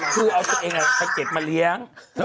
คือเอาตัวเองไปเก็บมาเลี้ยง